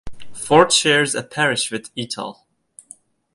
Ford shares a parish with Etal.